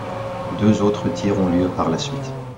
Deux autres tirs ont lieu par la suite.